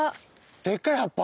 でかい葉っぱ？